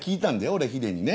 俺ヒデにね